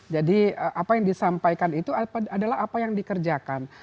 jadi apa yang disampaikan itu adalah apa yang dikerjakan